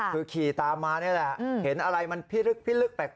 คือขี่ตามมานี่แหละเห็นอะไรมันพิลึกพิลึกแปลก